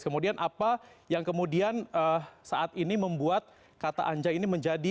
kemudian apa yang kemudian saat ini membuat kata anja ini menjadi